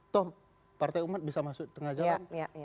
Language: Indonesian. toh partai umat bisa masuk tengah jalan